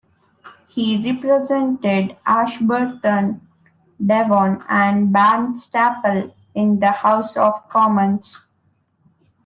He represented Ashburton, Devon and Barnstaple in the House of Commons.